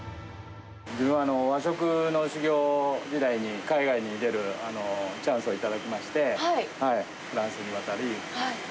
自分は和食の修業時代に、海外に出るチャンスを頂きまして、フランスに渡り。